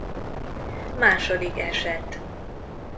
Második eset.